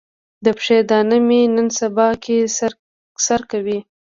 د پښې دانه مې نن سبا کې سر کوي.